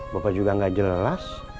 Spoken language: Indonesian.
bapak juga gak jelas